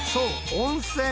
温泉！